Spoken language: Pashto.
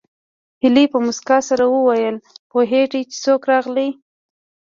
هيلې په مسکا سره وویل پوهېږې چې څوک راغلي